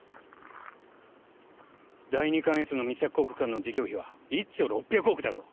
第二関越の未着工区間の事業費は１兆６００億だぞ。